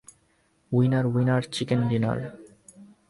Winner, winner, chicken dinner!